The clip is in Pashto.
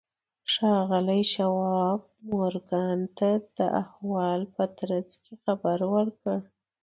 ښاغلي شواب مورګان ته د احوال په ترڅ کې خبر ورکړ